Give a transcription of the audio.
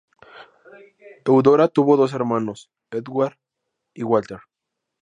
Eudora tuvo dos hermanos, Edward y Walter.